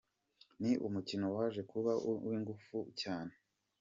Ni umukino waje kuba uw'ingufu cyane.